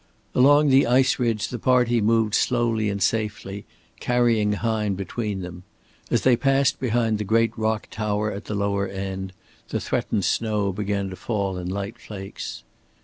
Along the ice ridge the party moved slowly and safely, carrying Hine between them. As they passed behind the great rock tower at the lower end, the threatened snow began to fall in light flakes.